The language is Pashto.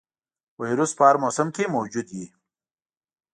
ویروس په هر موسم کې موجود وي.